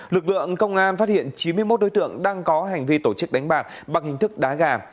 lực lượng công an phát hiện chín mươi một đối tượng đang có hành vi tổ chức đánh bạc bằng hình thức đá gà